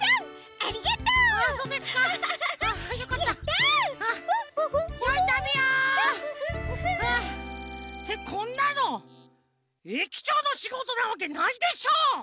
よいたびを！ってこんなの駅長のしごとなわけないでしょ！